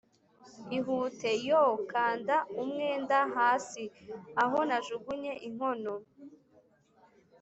ihute! yoo, kanda umwenda hasi.aho najugunye inkono,